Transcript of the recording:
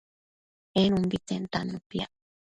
en umbitsen tannu piac